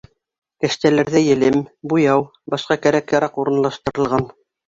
Кәштәләрҙә елем, буяу, башҡа кәрәк-яраҡ урынлаштырылған.